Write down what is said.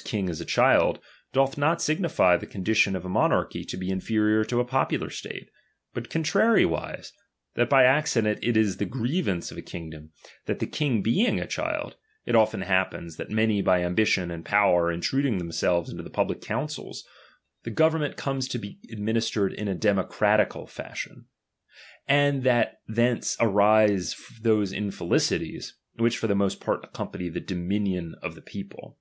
^ting is a child, doth not signify the condition of ^ monarchy to be inferior to a popular state ; but «::ontrariwise, that by accident it is the grievance of a kingdom, that the king being a child, it often Xiappens, that many by ambition and power intru <3ing themselves into public councils, the govern xaent comes to be administered in a democratical ^manner; and that thence arise those infelicities, 'whieb for the most part accompany the dominion ^tf the people.